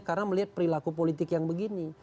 karena melihat perilaku politik yang begini